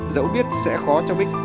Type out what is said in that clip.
dẫu biết sẽ khó cho bích